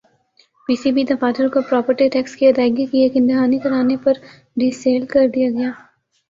پی C B دفاتر کو property tax کی ادائیگی کی یقین دہانی کرانے پر ڈی سیل کر دیا گیا